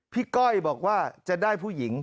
ก้อยบอกว่าจะได้ผู้หญิง